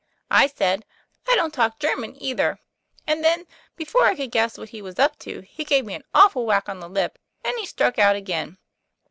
' "I said, 'I don't talk German either,' and then before I could guess what he was up to he gave me an awful whack on the lip, and he struck out again.